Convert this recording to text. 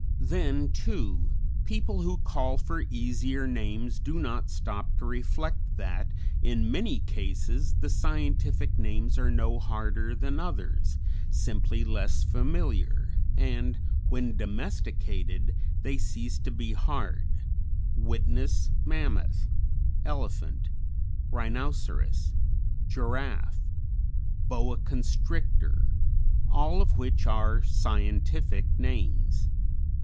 Then, too, people who call for easier names do not stop to reflect that, in many cases, the scientific names are no harder than others, simply less familiar, and, when domesticated, they cease to be hard: witness mammoth, elephant, rhinoceros, giraffe, boa constrictor, all of which are scientific names.